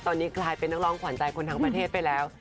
ตอนนี้กลายเป็นนักร้องขวัญใจคนทั้งประเทศไปแล้ว